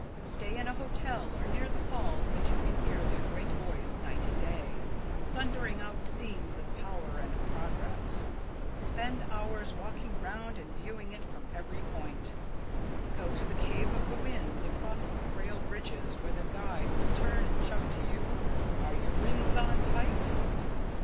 Stay in a hotel so near the falls that you can hear their great voice night and day, thundering out themes of power and progress. Spend hours walking round and viewing it from every point. Go to the Cave of the Winds, across the frail bridges, where the guide will turn and shout to you: 'Are your rings on tight?'